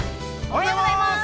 ◆おはようございます。